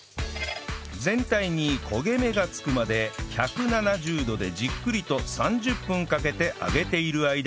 全体に焦げ目がつくまで１７０度でじっくりと３０分かけて揚げている間に